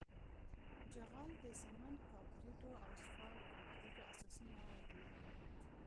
جغل د سمنټ کانکریټو او اسفالټ کانکریټو اساسي مواد دي